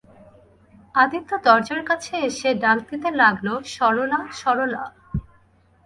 আদিত্য দরজার কাছে এসে ডাক দিতে লাগল, সরলা, সরলা।